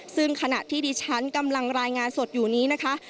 ซึ่งขณะที่ดิฉันกำลังรายงานสดอยู่นี้นะคะ